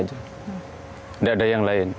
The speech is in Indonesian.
tidak ada yang lain